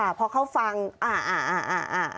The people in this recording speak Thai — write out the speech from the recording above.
ใช่ค่ะพอเขาฟังอ่า